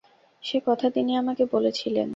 সে কথা তিনি আমাকে বলেছিলেন।